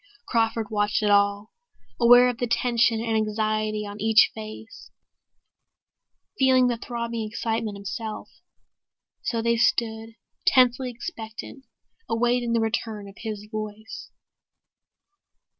Crawford watched it all, aware of the tension and anxiety on each face, feeling the throbbing excitement himself. So they stood, tensely expectant, awaiting the return of his voice....